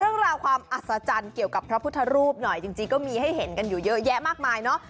เรื่องราวความอัศจรรย์เกี่ยวกับพระพุทธรูปหน่อยจริงก็มีให้เห็นกันอยู่เยอะแยะมากมายเนอะ